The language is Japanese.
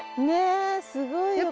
ねえすごい。